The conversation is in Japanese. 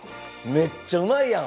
めっちゃうまいやん！